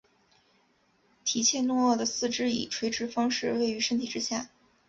提契诺鳄的四肢以垂直方式位于身体之下。